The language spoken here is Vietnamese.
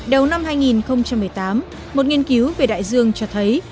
đầu năm hai nghìn một mươi tám một nghiên cứu về đại dương cho thấy